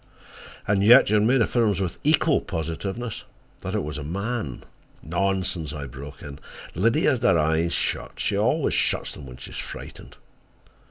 "And yet your maid affirms with equal positiveness that it was a man." "Nonsense," I broke in. "Liddy had her eyes shut—she always shuts them when she's frightened."